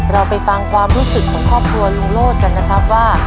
เราไปฟังความรู้สึกของครอบครัวลุงโลศกันนะครับว่า